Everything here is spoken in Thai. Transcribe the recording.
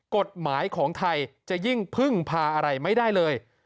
กฎหมายของไทยจะยิ่งพึ่งพาอะไรไม่ได้เลย